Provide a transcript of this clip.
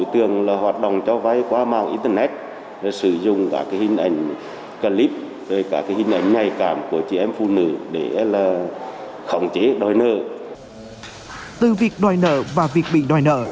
từ việc đòi nợ và việc bị đòi nợ